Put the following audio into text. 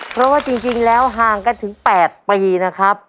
เพราะว่าจริงแล้วห่างกันถึง๘ปีนะครับ